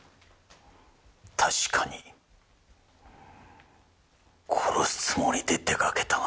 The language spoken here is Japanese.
確かに殺すつもりで出かけたがね